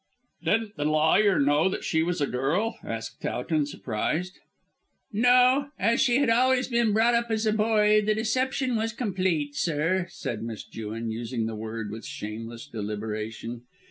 "Didn't the lawyer know that she was a girl?" asked Towton surprised. "No. As she had always been brought up as a boy the deception was complete, sir," said Miss Jewin, using the word with shameless deliberation.